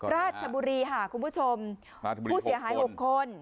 ราชบุรีค่ะคุณผู้ชมผู้เสียหาย๖คน